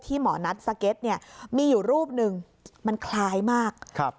หมอนัทสเก็ตเนี่ยมีอยู่รูปหนึ่งมันคล้ายมากครับ